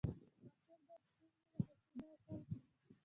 محصل باید ستونزې محاسبه او حل کړي.